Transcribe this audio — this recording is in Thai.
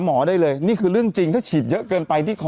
หมอเก็บตรงนี้มันจะเอาขึ้นไปด้วย